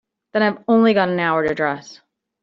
Then I've only got an hour to dress.